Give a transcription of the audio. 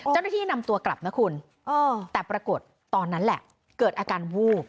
เจ้าหน้าที่นำตัวกลับนะคุณแต่ปรากฏตอนนั้นแหละเกิดอาการวูบ